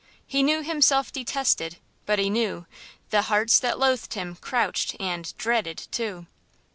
He knew himself detested, but he knew The hearts that loathed him crouched and–dreaded, too."